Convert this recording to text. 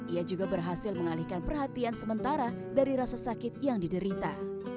ia juga berhasil mengalihkan perhatian sementara dari rasa sakit yang diderita